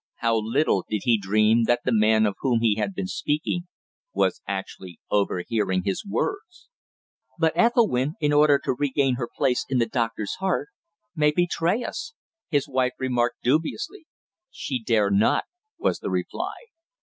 How little did he dream that the man of whom he had been speaking was actually overhearing his words! "But Ethelwynn, in order to regain her place in the doctor's heart, may betray us," his wife remarked dubiously. "She dare not," was the reply.